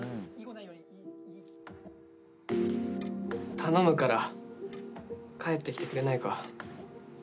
頼むから帰ってきてくれないか。